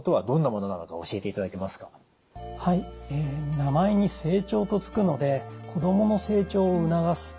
はい名前に「成長」と付くので子供の成長を促す